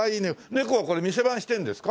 猫がこれ店番してるんですか？